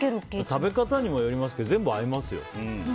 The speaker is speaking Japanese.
食べ方にもよりますけど全部合いますよ。